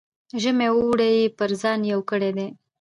ژمی او اوړی یې پر ځان یو کړی دی.